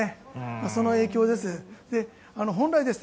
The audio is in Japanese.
その影響です。